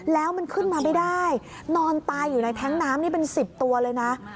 แล้วมันขึ้นมาไม่ได้นอนตายอยู่ในแท้งน้ำนี่เป็น๑๐ตัวเลยนะ